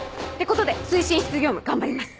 ことで推進室業務頑張ります。